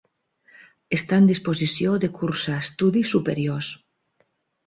Està en disposició de cursar estudis superiors.